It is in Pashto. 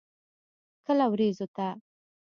کله ورېځو ته.